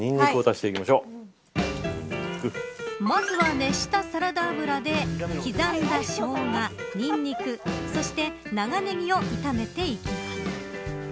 まずは熱したサラダ油で刻んだショウガ、ニンニクそして長ネギを炒めていきます。